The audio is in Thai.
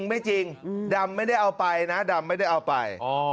ไม่จริงดำไม่ได้เอาไปนะดำไม่ได้เอาไป